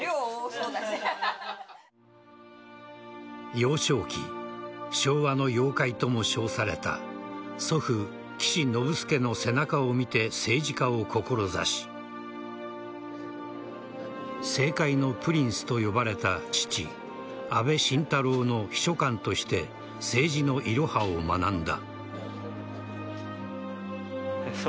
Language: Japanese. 幼少期、昭和の妖怪とも称された祖父・岸信介の背中を見て政治家を志し政界のプリンスと呼ばれた父・安倍晋太郎の秘書官として政治のイロハを学んだ。